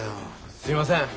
すいません